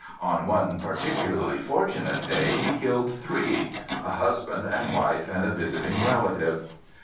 On one particularly fortunate day he killed three, a husband and wife and a visiting relative.